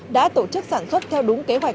đã tổ chức sản xuất theo đúng kế hoạch